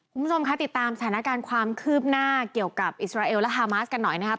คุณผู้ชมคะติดตามสถานการณ์ความคืบหน้าเกี่ยวกับอิสราเอลและฮามาสกันหน่อยนะครับ